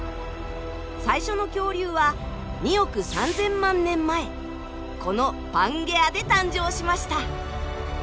最初の恐竜は２億３，０００万年前このパンゲアで誕生しました。